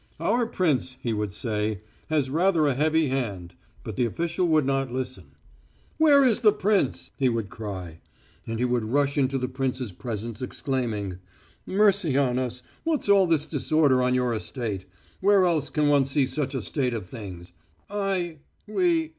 "Our prince," he would say, "has rather a heavy hand." But the official would not listen. "Where is the prince?" he would cry. And he would rush into the prince's presence exclaiming, "Mercy on us, what's all this disorder on your estate! Where else can one see such a state of things? I ... we